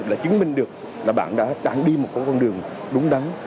là chứng minh được là bạn đã chạm đi một con con đường đúng đắn